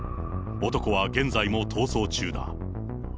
男は現在も逃走中だ。